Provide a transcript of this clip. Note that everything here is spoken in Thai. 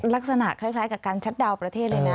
ลักษณะคล้ายกับการชัดดาวนประเทศเลยนะ